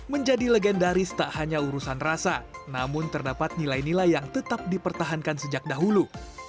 menjadi legendaris tak hanya urusan rasa namun terdapat nilai nilai yang tetap dipertahankan sejak dahulu